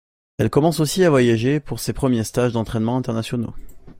Elle commence aussi à voyager pour ces premiers stages d'entrainement internationaux.